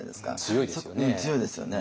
強いですよね。